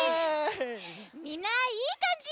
みんないいかんじ！